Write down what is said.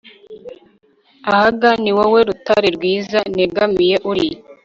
ahaga, ni wowe rutare rwiza negamiye, uri